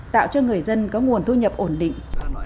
tạo cho người dân có nguồn thu nhập ổn định